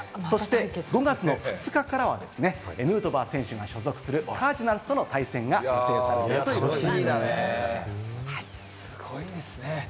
５月の２日からはヌートバー選手の所属するカージナルスとの対戦が予定されています。